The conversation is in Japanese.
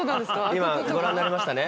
今ご覧になりましたね？